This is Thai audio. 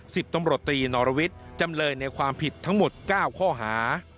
สิบตำรวจตีนอรวิทย์จำเลยในความผิดทั้งหมด๙ข้อหา